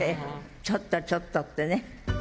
ちょっとちょっとってね。